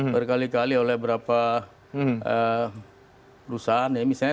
berkali kali oleh berapa perusahaan ya misalnya